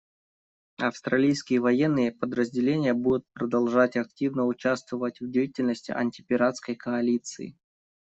Австралийские военные подразделения будут продолжать активно участвовать в деятельности антипиратской коалиции.